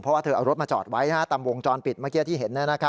เพราะว่าเธอเอารถมาจอดไว้ตามวงจรปิดเมื่อกี้ที่เห็น